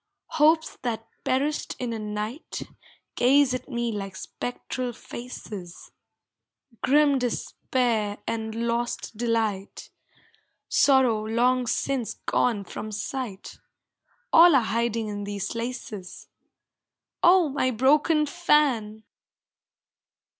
Hopes that perished in a night Gaze at me like spectral faces; Grim despair and lost delight, Sorrow long since gone from sight All are hiding in these laces. Oh, my broken fan!